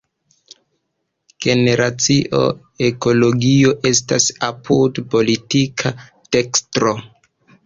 Generacio Ekologio estas apud politika dekstro.